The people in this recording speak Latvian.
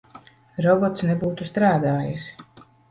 Robots nebūtu strādājis.